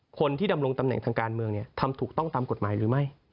คนที่ดำรงตำแหน่งทางการเมืองทำถูกต้องตามกฎหมายหรือไม่